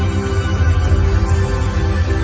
มันเป็นเมื่อไหร่แล้ว